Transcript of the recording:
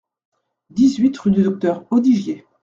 dix-huit rue du Docteur Audigier